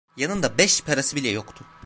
Yanında beş parası bile yoktu.